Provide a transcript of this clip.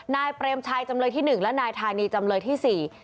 เปรมชัยจำเลยที่๑และนายธานีจำเลยที่๔